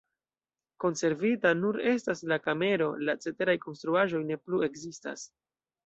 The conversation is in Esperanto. Konservita nur estas la kamero, la ceteraj konstruaĵoj ne plu ekzistas.